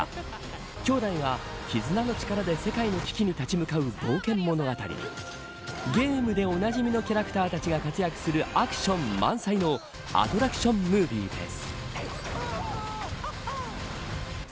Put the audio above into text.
兄弟が世界の危機に立ち向かう冒険物語ゲームでおなじみのキャラクターたちが活躍するアクション満載のアトラクションムービーです。